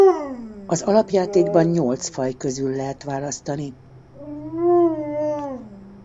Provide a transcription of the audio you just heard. Az alapjátékban nyolc faj közül lehet választani.